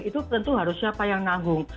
itu tentu harus siapa yang nanggung